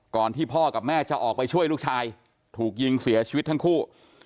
ที่พ่อกับแม่จะออกไปช่วยลูกชายถูกยิงเสียชีวิตทั้งคู่